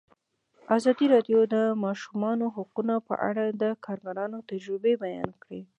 ازادي راډیو د د ماشومانو حقونه په اړه د کارګرانو تجربې بیان کړي.